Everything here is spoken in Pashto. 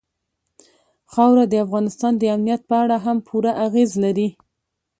خاوره د افغانستان د امنیت په اړه هم پوره اغېز لري.